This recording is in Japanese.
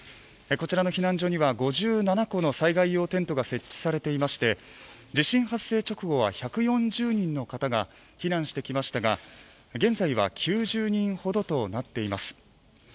こちらの避難所には５７個の災害用テントが設置されていまして地震発生直後は１４０人の方が避難してきましたが現在は９０人ほどとなっています